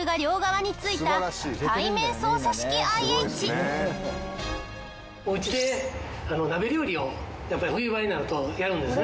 例えばおうちで鍋料理をやっぱり冬場になるとやるんですね